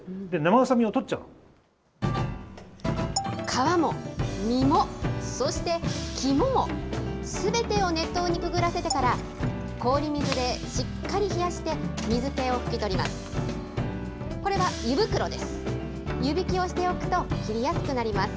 皮も身も、そして肝も、すべてを熱湯にくぐらせてから、氷水でしっかり冷やして、水けをふき取ります。